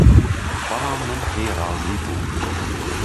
بەڵام من پێی رازی بووم